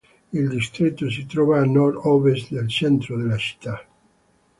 Il distretto si trova a nord-ovest del centro della città.